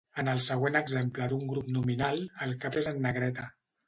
En el següent exemple d'un grup nominal, el cap és en negreta.